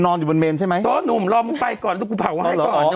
นอนอยู่บนเมนใช่ไหมเพราะหนุ่มลองไปก่อนจะกูเผาให้ก่อน